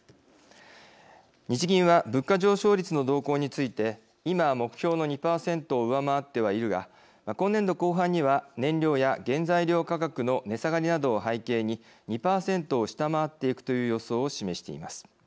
日銀は物価上昇率の動向について今は目標の２％を上回ってはいるが今年度後半には燃料や原材料価格の値下がりなどを背景に２％を下回っていくという予想を示しています。